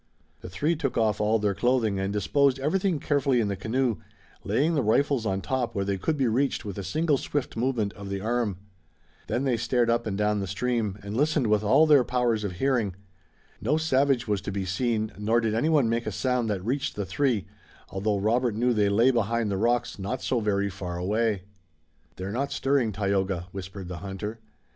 The three took off all their clothing and disposed everything carefully in the canoe, laying the rifles on top where they could be reached with a single swift movement of the arm. Then they stared up and down the stream, and listened with all their powers of hearing. No savage was to be seen nor did anyone make a sound that reached the three, although Robert knew they lay behind the rocks not so very far away. "They're not stirring, Tayoga," whispered the hunter.